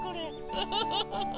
ウフフフフ。